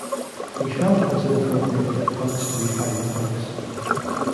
We felt it was inappropriate for punks to be fighting punks.